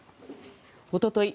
おととい